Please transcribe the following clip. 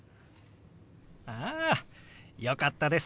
あよかったです。